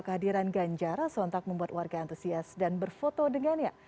kehadiran ganjar sontak membuat warga antusias dan berfoto dengannya